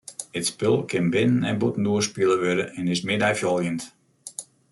It spul kin binnen- en bûtendoar spile wurde en is middeifoljend.